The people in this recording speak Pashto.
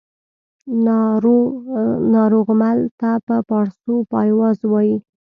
ناروغمل ته په پاړسو پایواز وايي